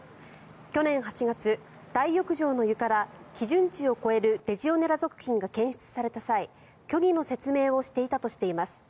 去年８月、大浴場の湯から基準値を超えるレジオネラ属菌が検出された際虚偽の説明をしていたとしています。